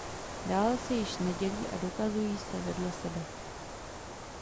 Dále se již nedělí a dokazují se vedle sebe.